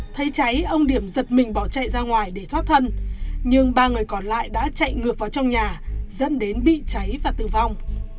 thấy cháy ông điểm giật mình bỏ chạy ra ngoài để thoát thân nhưng ba người còn lại đã chạy ngược vào trong nhà dẫn đến bị cháy và tử vong